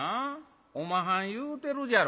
おまはん言うてるじゃろ。